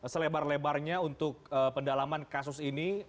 selebar lebarnya untuk pendalaman kasus ini